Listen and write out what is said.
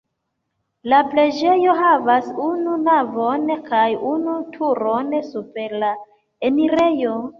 La preĝejo havas unu navon kaj unu turon super la enirejo.